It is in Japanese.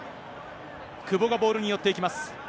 久保がボールに寄っていきます。